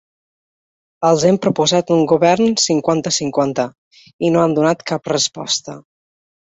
Els hem proposat un govern cinquanta-cinquanta, i no han donat cap resposta.